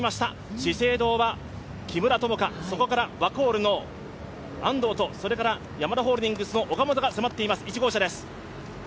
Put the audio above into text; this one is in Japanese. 資生堂は木村友香、ワコールの安藤それからヤマダホールディングスの岡本が迫っています。